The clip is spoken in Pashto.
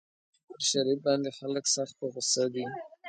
پر شریف باندې خلک سخت په غوسه دي.